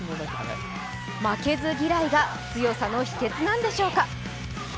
負けず嫌いが強さの秘けつなんでしょうか。